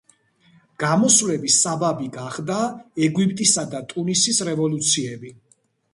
გამოსვლების საბაბი გახდა ეგვიპტისა და ტუნისის რევოლუციები.